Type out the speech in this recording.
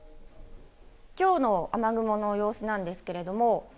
きょうの雨雲の様子なんですけれども。